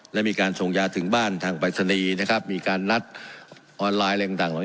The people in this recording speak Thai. และมีการส่งยาถึงบ้านทางปรัชนีนะครับมีการนัดออนไลน์อะไรต่าง